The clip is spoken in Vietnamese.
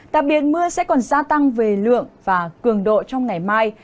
đặc biệt mưa sẽ còn gia tăng về lượng và cường độ trong ngày mai